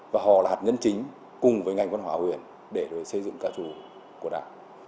và họ là hạt nhân chính cùng với ngành văn hóa huyền để xây dựng ca chủ của đảng